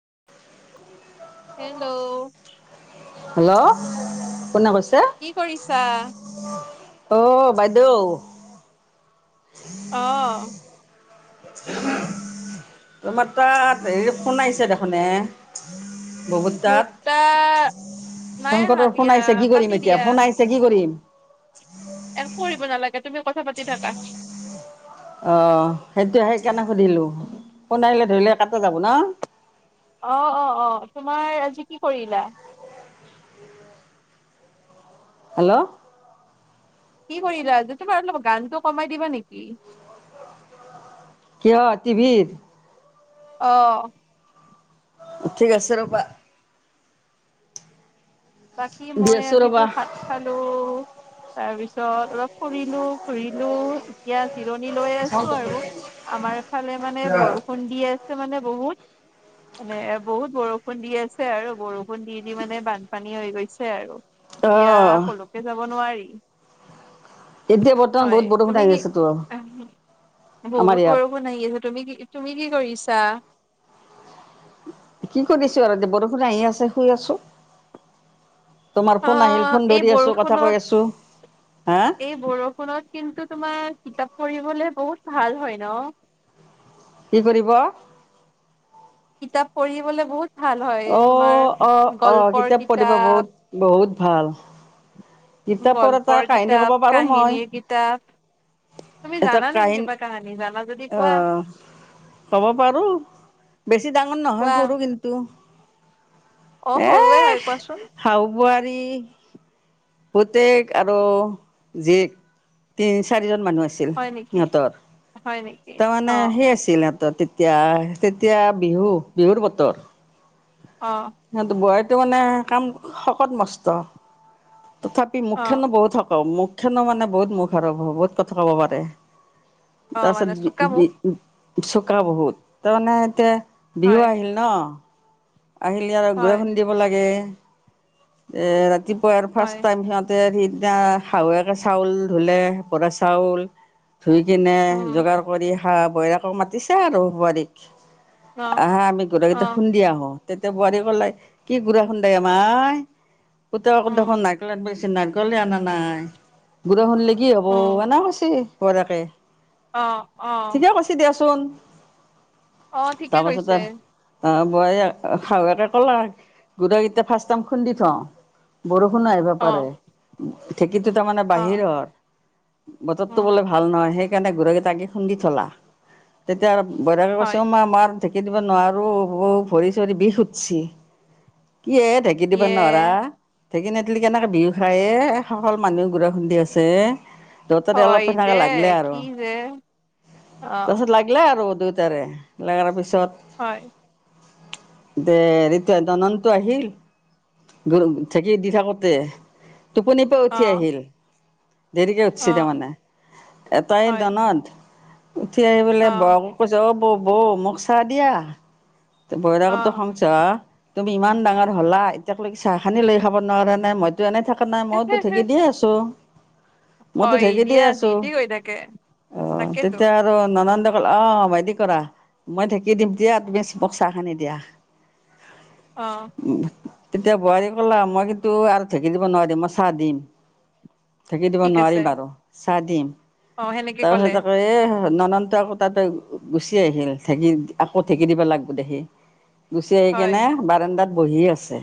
[inaudible] Hello hello কোনে কৈছ কি কৰিছা? অহ বাইদেউ অহ তোমাৰ তাত হেৰি ফোন আহিছে দেখোন এ বহুতাত মোৰটা নাই আহা শংকৰৰ ফোন দিয়া, আহিছে কি কাটি কৰিম এতিয়া দিয়া। ফোন আহিছে কি কৰিম [inaudible] একো কৰিব নালাগে তুমি কথা পাতি থাকা অ, সেইটো সেইকাৰণে সুধিলো ফোন আহিলে ধৰিলে কাতে যাব ন অ-অ-অ তোমাৰ আজি কি কৰিলা? হেল্ল', কি কৰিলা আজি তোমাৰ অলপ গানটো কমাই দিবা নেকি? কিয় টি ভিৰ? অহ অ, ঠিক আছে ৰ'বা। বাকী দি মই আছো আজিতো ৰ'বা ভাত খালো। তাৰপিছত অলপ ফুৰিলোঁ ঘুৰিলোঁ এয়াত জিৰণি লৈ আছো আৰু আমাৰ ফালে মানে বৰষুণ দি আ মানে বহুত মানে বহুত বৰষুণ দি আছে আৰু বৰষুণ দি দি মানে বান পানী হৈ গৈছে, আৰু অ এতিয়া কলৈকে যাব নোৱাৰি এতিয়া বৰ্তমান হয় বহুত বৰষুণ তুমি আহি কি আছে তো। বহুত বৰষুণ আহি আছে, তুমি কি তুমি কি কৰিছা? কি কৰিছো আৰু তে বৰষুণ আহি আছে শুই আছো। তোমাৰ অ ফোন আহিল ফোন এই ধৰি আছো কথা বৰষুণত কৈ আছো। হা এই বৰষুণত কিন্তু তোমাৰ কিতাপ কৰিবলে বহুত ভাল হয় ন'? কি কৰিব? কিতাপ পঢ়িবলে বহুত ভাল হয় অ, তোমাৰ অহ অহ কিতাপ পঢ়িব বহুত-বহুত ভাল। কিতাপৰ এটা গল্পৰ কাহিনী কব কিতাপ পাৰো মই। কাহিনীৰ কিতাপ তুমি এটা জানা নেকি কাহিন কিবা কাহানী জানা যদি কোৱা অহ। হব পাৰো, বেছি ডাঙৰ নহয় কোৱা সৰু কিন্তু অ এ সৰুৱে হয় কোৱাচোন খাওঁ! বোৱাত। পুতেক আৰু জীয়েক তিন চাৰিজন মানুহ আছিল হয় নেকি সিহতৰ, হয় নেকি অ তাৰমানে সেই আছিল সিহঁতৰ। এতিয়া তেতিয়া বিহু বিহুৰ বতৰ। অ সিঁহত বোৱাৰীটো মানে কাম শকত মস্ত তথাপি অ মুখখনো বহুত হক মুখ খনো মানে বহুত মুখ আৰু বহুত কথা ক'ব পাৰে। অ মানে চোকামুখ তাৰপাছত চোকা বহুত, তাৰমানে এতিয়া বিহু হয় আহিল ন। আহিলে আৰু গুৰা হয় খুন্দিব লাগে, ৰাতিপুৱাই আৰু হয় ফাৰ্ষ্ট টাইম সিহঁতে এতিয়া শাহুৱেকে চাউল ধুলে বৰা চাউল ধুই কিনে উম যোগাৰ কৰি শাহ বৈৰিয়েক মাতিছে আৰু বোৱাৰীক অ আহা আমি গোট অ কেইটা খুন্দি আহো। তেতিয়া বোৱাৰী কলে কি গুড়া খুন্দে মাই পুতক উম দেখোন নাইকল বেছ নাৰিকলে অনা নাই, গুৰা খুন্দিলে কি হব অনা কৈছে বোৱাৰীয়েকে আহ-আহ। তোন। অ' ঠিকে কৈছে। অ' বোৱা শাহুয়েকে ক'লা গোটেইকেইটা ফাৰ্ষ্ট টাইম খুন্দি থওঁ বৰষ ষুণ আহিব অ পাৰে, ঢেঁকীতো তাৰমানে অ বাহিৰত। বতৰটো উম বোলে ভাল নহয়। সেই সেইকাৰণে গৰুকেইটাকে খুন্দি থলা, তেতিয়া বৈৰাগে কৈছো হয় মই মমাৰ ধেকি দিব নোৱাৰো, অ, অ, ভৰি চৰি বিষ উুঠছি। কি, এ ঢেঁকী দিবা ইয়ে নোৱাৰা। ঢেকি নেদিলে কেনেকে বিহু খায় এই, সকলো মানুহে ঘুৰা খুন্দি আছে। দততে অলপ হয় দে তেনে লাগিলে আৰু, কি যে অ তাৰপিছত লাগিলে আৰু। দুটাৰে, লাগাৰ পিছত হয়। দে, ৰিতু দনন্ত আহিল গ, ঢেঁকী দি থাকোতে টোপনিৰ পৰা অ উঠি আহিল। দেৰিকে অ উঠচি তাৰমানে, মানে এটাই হয় দনত উঠি অ আহিপালে বৌ আগত কৈছে অ, বৌ, বৌ মোক চাহ দিয়া। অ [unintelligible] তুমি ইমান ডাঙৰ হ'লা, এতিয়ালৈক চাহ খানি লৈ খাব নোৱাৰা নে, মইতো এনে থাকো কা, নাই মইতো ঢেক দিয়ে আছো। মইতো হয় ঢেকী দে দিয়া যি আছো, টি কৈ থাকে অ, তাকেতো তেতিয়া আৰু নান অ' ভাইটি কৰা মই ঢেঁকি দিম দিয়া তুমি চ বক চাহ খান নি দিয়া। অ উম। তেতিয়া বোৱাৰী কলা মই কিন্তু আৰু ঢেঁকী দিব নোৱাৰিম মই চাহ দিম। ঢেঁকি দিব ঠিক আছে নোৱাৰিম আৰু, চাহ দিম অ সেনেকে ক'লে তাৰপিছত আকৌ এ নননটো আকৌ তাততে গুচি আহিল ঢেকী আকৌ ঢেঁকী দিব লাগিবো দেখি। গুচি আহি হয় কেনে বাৰান্দাত বহি আছে।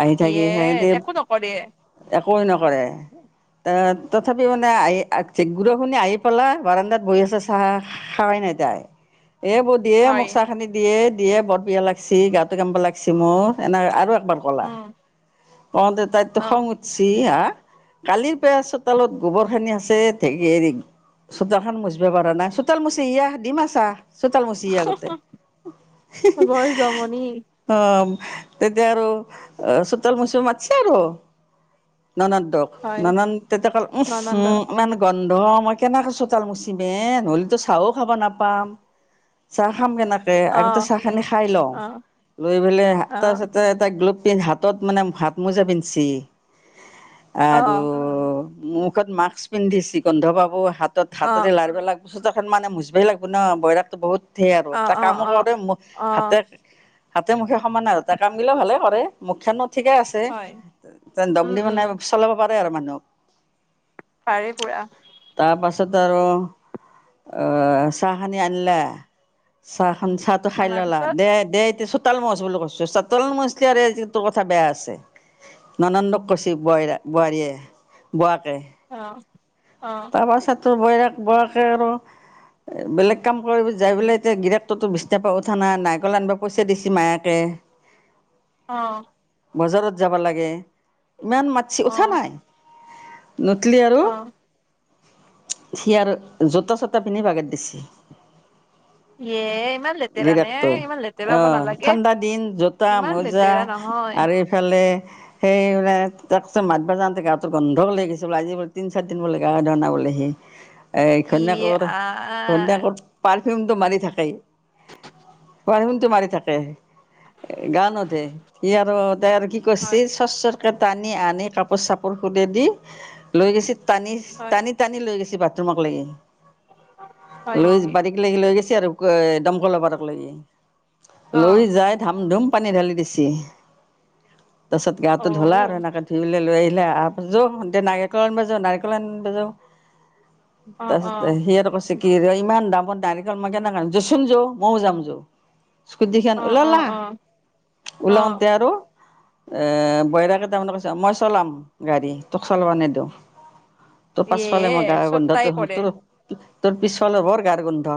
আহি ইয়ে থাকি, সেহেতি একো নকৰে একো নকৰে। তে, তথাপি মানে আহি, গুৰ শুনি আহি পেলা, বাৰান্দাত বহি আছে চাহ খাই নে যায়। এই বৌ দিয়ে হয় মোক চাহ খানি দিয়ে দিয়ে বৰ বিয়া লাগিছি গাটো গ্ ব লাগিছে মোক এনেক আৰু একবাৰ কলা উম অতে তাইতো খং অ উঠছি হা? কালিৰ পৰা চোতালত গোবৰ খিনি আছে ে হেৰি। চোতালখনান মচিব পৰা নাই চোতাল মচি ইয়া দিম আছা। চোতাল মচি আগতে, বৰ জমনি অ'। তেতিয়া আৰু চোতাল মচু মাতিছে আৰু। ননন্দ দক হয় ননন তেতিয়া ক উম ননন্দক উম ইান গছ বন্ধ মই কেনেকৈ চোতাল মুচিম এ ন'লেিতো চাহও খাব নাপাম। চাহাম কেনে আগতে অ চাহ খানি খাই লওঁ, অ', লৈ পেলাই তাৰ অ', পিছতে এটা গ্ল পিন্ধ হাতত মানে ভাত মোজা পিন্ছি, আৰু অ', মুখত মাস্ক পিন্ধিছ কোন্ধ পাব হাতত হাতেৰে অ', লাৰলাক এ মানেজিবই লাগো ন বৈৰাৰাকো বহুত ে আৰু অ', তাৰ কামো অ', অ', কৰে হাতে, অ', হাতে মুখে সমান আৰু তাৰ কাম গিলে ভালে কৰে। মুখিয়ো ঠিকে আছে, হয়। দম উম, দি উম, মানে চলাব পাৰে আৰু মানুহক। পাৰে পুৰা। [unintelligible] আৰু, চাহ খিনি আনলা, চাহ খ চাটো খাই আমাৰ ল'লা পিছত দে এতিয়া চোতাল মছ বুলি কৈছো চোতাল মছল কথা বেয়া আছে, ননন্দক কৈছে বোৱাৰ বোৱাৰীয়ে বোৱাাকে। অ'। অ', তাৰ পাছত তোৰ বৈৰেগ বকে আৰু বেলেগ কাম কৰিব যাই বোলে এতিয়া গিকটতো বিছনা পা উঠা না নাই গল আনিবা পইচা দিছে মায়াকে। [unintelligible] অ'। বজাৰত যাব লাগে, ইমান মাটছি উঠা অ', নাই। নুতলি আৰু অ', সি আৰু জোতা চোতা পিন্ধি বাগত দিছে। ইয়ে ইমান লেতেৰা নে, গিৰাটটো, ইমান লেতেৰা হ'ব আহ নালাগে। ঠাণ্ডা দিন জোতা ইমান মজা লেতেৰা নহয়। আৰু এইফালে সেই মে তাৰপিছ মাতবাওঁতে গাত গন্ধও লাগ গিছিলো আজি তিনি চাৰ দিনিব লে [unintelligible] ধনাবলৈহি ইয়ে এখনাকন আৰ প ফিমটো মাৰি থাকেই। ব শনটো মাৰি থাকে। গানতে, সি আৰু তাই আৰু কি কৰিছে হয়, সচৰ ক টানি আনি কাপোৰ চাপোৰ খুলে দি, লৈ গৈছ টানি হয়, টানি টানি লৈ গৈছ বাট তম লাগি হয় লৈ, নেকি? বাৰী লাগি লৈ গৈ আৰু এ দমকলৰ পাতক, লাগে অ', লৈ যাই ধাম ধুম পানী ঢালি দিছ, তাৰপিছত গাটো ধঢলা আৰু অ', সেনেকে ধুইাই লৈ আহ য এতিয়া নাৰিকলন ব যো নাৰিকলন ব যা অ', তাৰপিছত অ', সি এইটো [unintelligible] কি ৰে ইমান দামত নাৰিকল মই কেনেকা আনিম যচোন যৌ মইয়ো যাম যৌ স্কুটি খান অ', ওলালা অ', অ', অ', ওলাওঁতেই আৰু এ বইৰা কেইটা মানে কৈছে, মই চলাম গাড়ী তোক চলবা নেদিওঁ ত' ইয়ে পাচফাল মই গা চব গন্ধাত তাই ত কৰে। তোৰ পিছ ফালে বৰ গাৰ গোন্ধ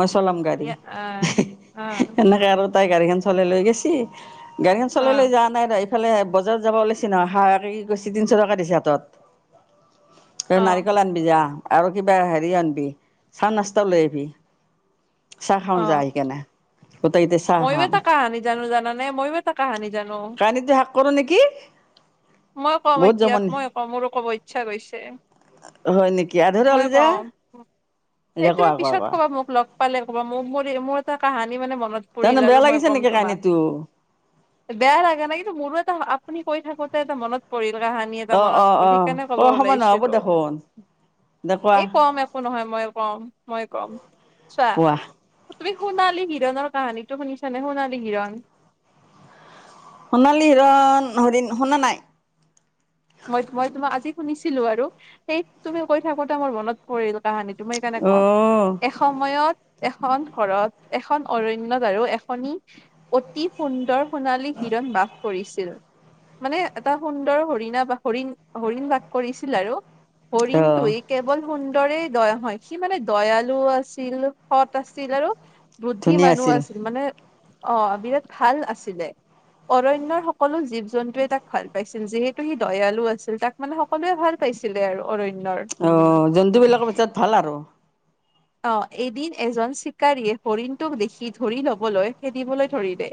মই চলাম গাড়ী ইয়া আ, আ, এনেকে আৰু তাই গাড়ীখন চলাই লৈ গেছি গাড়ীখন চলাই লৈ অ', যোৱা নাই দ এইফালে বজাৰ যাব ওাইছেি নয় হাহহা কৰিছে তিনিশ টকা দিছে হাতত। এই অ', নাৰিকল আনবি যা। আৰু কিবা হেৰি আনিবি চান নচ্তা লৈ আহবি। অ', চাহ মই ব খাম। এটা কাহানী জানো জান নাই মইো এটা কাহানী জানো। কৰ নেকি? মই কম বহুত এতিয়া জমনি মই কওঁ মোৰো কব ইচ্ছাৈ গৈছে। হয় নেকি আধৰুৱা হ'ল মই যে। কওঁ এই দে তুমি কোৱা কোৱা পিছত কোৱা কবা মোক লগ পালে কবা মোৰ - মোৰ এটা কাহানী মানে মনত পৰিল তাৰমানে আৰু বেয়া মই লাগিছে ক'ম নেকি তোমাক কানীটো? বেয়া লাগে ন কিন্তু মোৰো এটা আপুনি কৈ থাকোতে এটা মনত পৰিল কাহানি এটা অ' মনত অ' পৰিল অ' সিকাৰণে ক'ব অ' সময় নহ'ব ওলাইছিলো। দেখোন দে কোৱা এই কম একো নহয় মই কম ময় কম চোৱা কোৱা। তুমি সোণালী হিৰণৰ কাহানীটো শুনিছানে সোণালী হিৰণ? সোণালী হিৰণ হৰিণ শুনা নাই। মই মই তোমাক আজি শুনিছিলো আৰু সেই তুমি কৈ থাকোতে মোৰ মনত পৰিল কাহানী মই সেইকাৰণে কম অ', এসময়ত এখন ঘৰত এখন অৰণ্যত আৰু এখনি অতি সুন্দৰ সোণালী হিৰণ বাস কৰিছিল মানে এটা সুন্দৰ হৰিণা হৰিণ-হৰিণ বাস কৰিছিল আৰু হৰিণটো অ', কেৱল সুন্দৰে দয়া হয় সি মানে দয়ালু আছিল, সট আছিল আৰু বুদ্ধি মানুহ আছিল মানে অ, বিৰাট ভাল আছিলে। অৰণ্যৰ সকলো জীৱ জন্তুয়ে তাক ভাল পাইছিল যিহেতু সি দয়ালু আছিল তাক মানে সকলোৱে ভাল পাইছিলে আৰু অৰণ্য অ, জন্তু বিলাকৰ ভিতৰত ভাল আৰু। অ, এদিন এজন চিকাৰীয়ে হৰিণটোক দেখি ধৰি লবলৈ খেদিবলৈ ধৰিলে।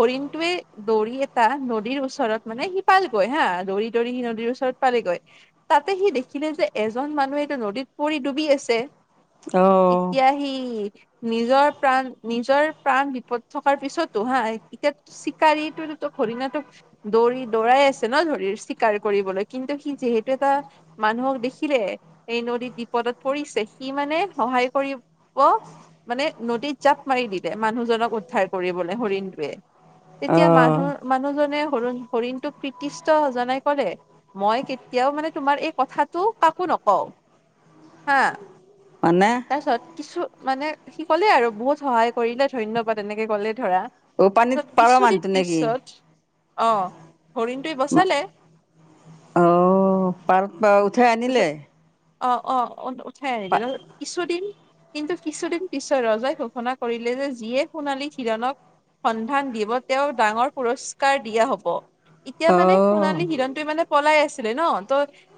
হৰিণটোৱে দৌৰি এটা নদীৰ ওচৰত মানে সিপালগৈ হা দৌৰি দৌৰি সি নদীৰ ওচৰত পালেগৈ তাতে সি দেখিলে যে এজন মানুহে এইটো নদীত পৰি ডুবি আছে। অ', ইতিয়া হি নিজৰ প্ৰাণ, নিজৰ প্ৰাণ বিপদ থকাৰ পিছতো হা এতিয়াটো চিকাৰীটো হৰিণাটোক দৌৰি দৌৰাই আছে ন' ধৰি চিকাৰ কৰিবলৈ কিন্তু সি যিহেতু এটা মান মানুহক দেখিলে, এই নদীত বিপদত পৰিছে সি মানে সহায় কৰিব মানে নদীত জাপ মাৰি দিলে মানুহজনক উদ্ধাৰ কৰিবলৈ হৰিণটোৱে। তেতিয়া অ', মানুহ মানুহজনে হৰিণ হৰিণটোক কৃত্তিস্তো জনাই কৰে, মই কেতিয়াও মানে তোমাৰ এই কথাটো কাকো ন হ'ব, হাঁ। মানে তাৰ পিছত কিছু মানে সি কলে আৰু বহুত সহায় কৰিলে ধন্যবাদ এনেকে ক'লে। ধৰা অ, পানীত পাৰ কিছুদিন মানুহটো নেকি? পিছত অ' হৰিণটোৱে বচালে। অ', পাৰত পাই উঠাই আনিলে। তাৰপিছত অ', অ', উঠাই আনিলে কিছুদিন কিন্তু কিছুদিন পিছত ৰজাই ঘোষণা কৰিলে যে যিয়ে সোণালী হিৰণক সন্ধান দিব তেওঁক ডাঙৰ পুৰস্কাৰ দিয়া হ'ব। এতিয়া মানে অ', সোণালী হিৰণটে মানে পলাই আছিলে ন ত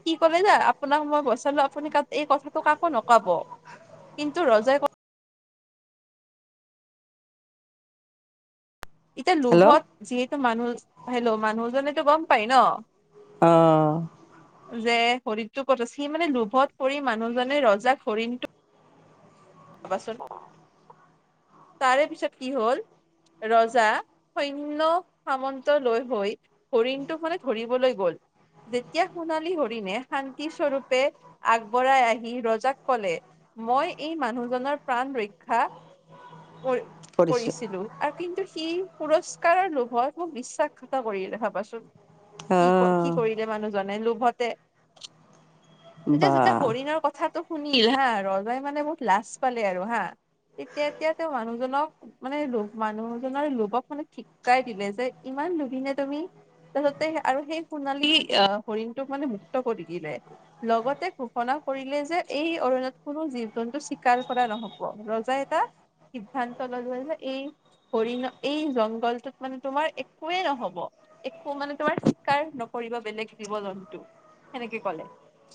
কি। ক'লে না আপোনাক মই বৈচালো আপুনি কাৰণ এই কথাটো কাকো নকাব। কিন্তু ৰজাই ক এতিয়া হেল্ল' লোভত যিহেতু মানুহ হেল্ল' মানুহজনেতো গ'ম পাই ন। আহ, যে হৰিণটো ক'ত সি মানে লোভত পৰি মানুহজনে ৰজাক হৰিণটো পাবাচোন তাৰে পিছত কি হল? ৰজা সৈন্য সামন্ত লৈ হৈ হৰিণটোখনে ধৰিবলৈ গল। যেতিয়া সোণালী হৰিণে শান্তি স্বৰূপে আগবঢ়াই আহি ৰজাক কলে মই এই মানুহজনৰ প্ৰাণ ৰক্ষা কৰিছোঁ কৰিছিলো আৰু কিন্তু সি পুৰস চিকাৰৰ লোভত মোক বিশ্বাসঘাত কৰিলে ভাবাচোন কি কি অ', কৰিলে মানুহজনে লোভত তেতিয়া বা যেতিয়া হৰিণৰ কথাটো শুনিল হা ৰজাই মানে বহুত লাজ পালে আৰু হা তেতিয়া। এতিয়া তেওঁ মানুহজনক মানে ল মানুহজনৰ লোভক মানে ঠিকিকাই দিলে যে ইমান লুভিনে তুমি তাৰপিছতে আৰু সেই সোণালী আহ হৰিণটোক মানে মুক্ত কৰি দিলে, লগতে ঘোষণা কৰিলে যে এই অৰণ্যত কোনো জীৱ জন্তু স্বীকাৰ কৰা নহ'ব ৰজাই এটা সিদ্ধান্ত ল'লে ন এই হৰিণ এই জংঘলটোত মানে তোমাৰ একোৱে নহ'ব একো মানে তোমাৰ চিকাৰ নকৰি বেলেগ জীৱ জন্তু। সেনেকে কলে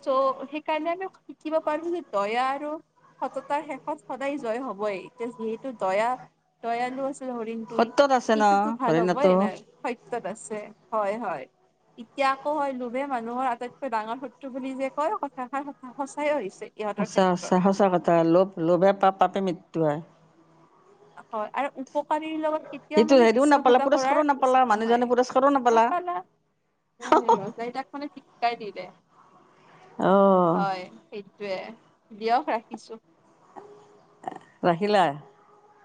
চ' সেইকাৰণে আমি শিকিব পাৰো যে দয়া আৰু সততাৰ শেষত সদায় জয় হবই এতিয়া যিহেতু দয়া দয়ালু আছে। হৰিণ তুই সত্যত আছে ন কিটো ভাল হ'ব হৰিণাটো ন সতত আছে হয়, হয়। এতিয়া আকৌ হয় লোভে মানুহৰ আটাইতকৈ ডাঙৰ শত্ৰু বুলি যে কয় কথাষ সচাই আহিছে। সঁচা সঁচা সঁচা কথা লোভে লোভে পাপ পাপে মৃত্যু আ। হয়, আৰু উপকাৰীৰ লগত। কেতিয়াও সেইটো মানে হেৰিও নাপালা বিশ্বঘাত কৰাৰ পুৰস্কাৰো নাপালা উচিত মানুহজনে নহয় পুৰস্কাৰো নাপালা। ৰজাইিতাক মনে শিককাৰাই দিলে। অ হয়েই তে, দিয়ক ৰাখিছো। ৰাখিলা